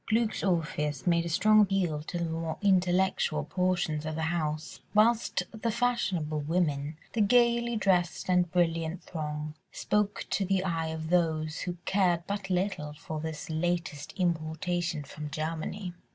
Glück's Orpheus made a strong appeal to the more intellectual portions of the house, whilst the fashionable women, the gaily dressed and brilliant throng, spoke to the eye of those who cared but little for this "latest importation from Germany."